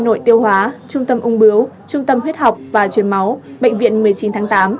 nội tiêu hóa trung tâm ung bướu trung tâm huyết học và truyền máu bệnh viện một mươi chín tháng tám